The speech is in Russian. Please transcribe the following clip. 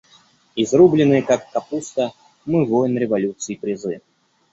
Изрубленные, как капуста, мы войн, революций призы.